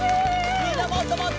みんなもっともっと！